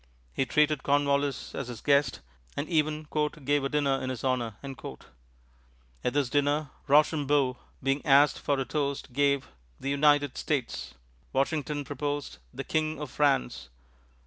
He treated Cornwallis as his guest, and even "gave a dinner in his honor." At this dinner, Rochambeau being asked for a toast gave "The United States." Washington proposed "The King of France."